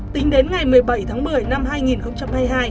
tính đến ngày một mươi bảy tháng một mươi năm hai nghìn hai mươi hai